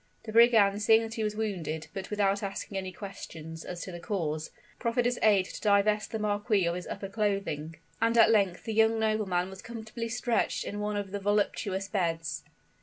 The brigand seeing that he was wounded, but without asking any questions as to the cause, proffered his aid to divest the marquis of his upper clothing; and at length the young nobleman was comfortably stretched in one of the voluptuous beds.